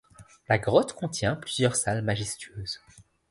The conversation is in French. La grotte contient plusieurs salles majestueuses.